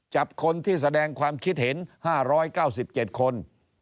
จับคนที่แสดงความคิดเห็น๕๙๗คน